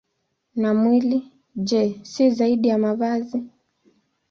Na mwili, je, si zaidi ya mavazi?